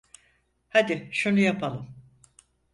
Hadi şunu yapalım.